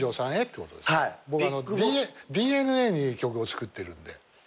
僕ＤｅＮＡに曲を作ってるんで。